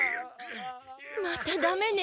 またダメね。